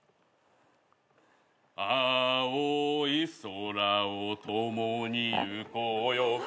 「『青い空を共に行こうよ』」えっ？何？